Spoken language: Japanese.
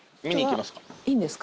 いいんですか？